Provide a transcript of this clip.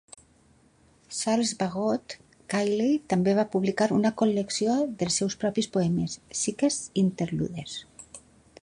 Charles Bagot Cayley també va publicar una col·lecció dels seus propis poemes, "Psyche's Interludes".